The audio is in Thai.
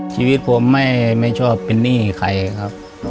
ชีวิตผมไม่ชอบเป็นหนี้ใครครับ